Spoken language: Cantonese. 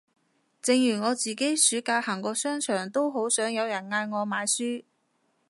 正如我自己暑假行過商場都好想有人嗌我買書